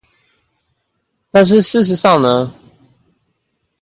但是事實上呢